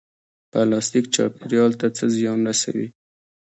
پلاستیک چاپیریال ته څه زیان رسوي؟